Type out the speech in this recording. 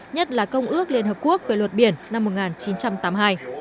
nhất là công ước liên hợp quốc về luật biển năm một nghìn chín trăm tám mươi hai